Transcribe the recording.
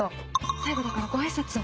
最後だからご挨拶を。